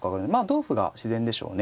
同歩が自然でしょうね。